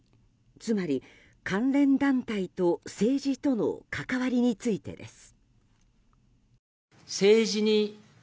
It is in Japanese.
つまり、関連団体と政治との関わりについてです。